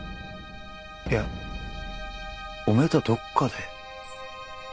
いやおめえとはどっかで。